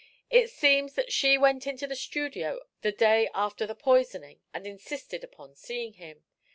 It seems that she went to the studio the day after the poisoning and insisted upon seeing him.